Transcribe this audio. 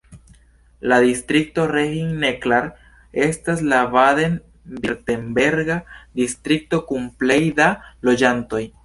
La distrikto Rhein-Neckar estas la baden-virtemberga distrikto kun plej da loĝantoj.